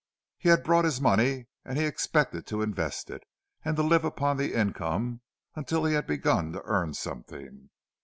He had brought his money, and he expected to invest it, and to live upon the income until he had begun to earn something.